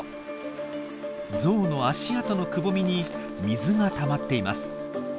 ゾウの足跡のくぼみに水がたまっています。